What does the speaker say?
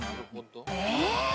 え？